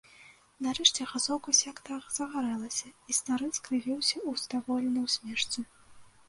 Нарэшце газоўка сяк-так загарэлася, і стары скрывіўся ў здаволенай усмешцы.